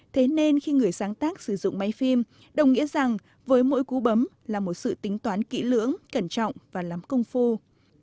thế nên khi người sáng tác sử dụng máy phim đồng nghĩa rằng với mỗi cú bấm là một sự tính toán kỹ lưỡng cẩn trọng và lắm công phu